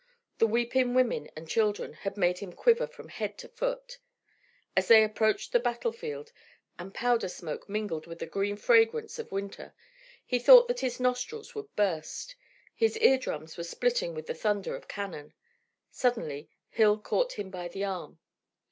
The weeping women and children had made him quiver from head to foot. As they approached the battlefield, and powder smoke mingled with the green fragrance of winter, he thought that his nostrils would burst. His ear drums were splitting with the thunder of cannon. Suddenly Hill caught him by the arm.